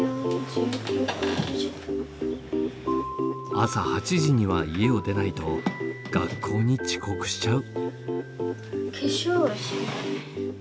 朝８時には家を出ないと学校に遅刻しちゃう。